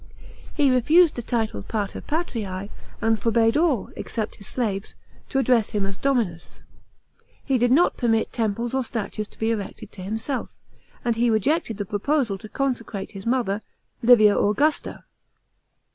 * He refused the title pater patrise, and forbade all, except his slaves, to address him as dominus. He did not permit temples or statues to be erected to himself, and he rejected the proposal to consecrate his mother, Li via Augusta.